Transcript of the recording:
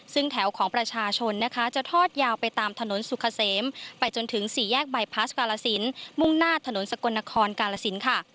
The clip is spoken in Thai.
ซึ่งแถวของประชาชนนะคะจะทอดยาวไปตามถนนสุขเสมไปจนถึงสี่แยกบายพลาสกาลสินมุ่งหน้าถนนสกลนครกาลสินค่ะ